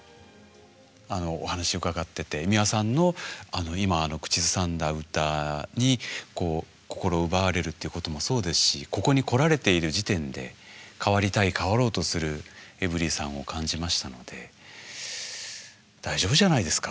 お話を伺ってて美輪さんの今口ずさんだ歌に心を奪われるっていうこともそうですしここに来られている時点で変わりたい変わろうとするエブリィさんを感じましたので大丈夫じゃないですか。